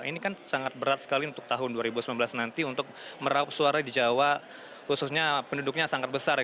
ini kan sangat berat sekali untuk tahun dua ribu sembilan belas nanti untuk meraup suara di jawa khususnya penduduknya sangat besar ya